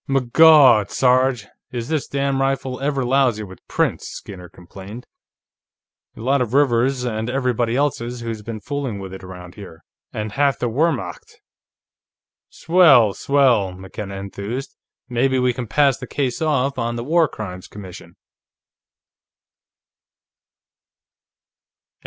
"Migawd, Sarge, is this damn rifle ever lousy with prints," Skinner complained. "A lot of Rivers's, and everybody else's who's been fooling with it around here, and half the Wehrmacht." "Swell, swell!" McKenna enthused. "Maybe we can pass the case off on the War Crimes Commission."